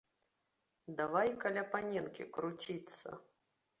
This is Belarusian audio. Давай каля паненкі круціцца.